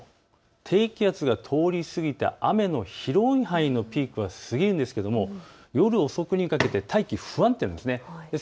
低気圧が通りすぎて雨の広い範囲のピークは過ぎるんですけども夜遅くにかけて大気が不安定です。